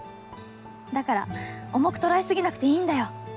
だから重く捉え過ぎなくていいんだよ。